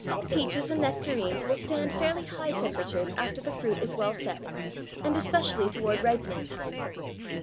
Peaches and nectarines will stand fairly high temperatures after the fruit is well set and especially toward ripening time.